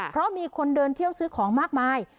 เพราะมีคนเดินเที่ยวซื้อของมากมาย